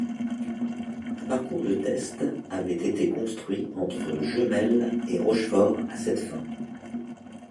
Un parcours de test avait été construit entre Jemelle et Rochefort à cette fin.